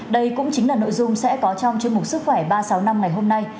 đây cũng chính là nội dung sẽ có trong chương mục sức khỏe ba trăm sáu mươi năm ngày hôm nay